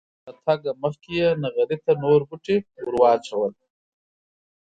له تګه مخکې یې نغري ته نور بوټي ور واچول.